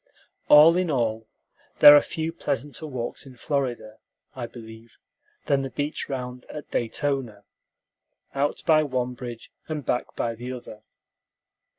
All in all, there are few pleasanter walks in Florida, I believe, than the beach round at Daytona, out by one bridge and back by the other.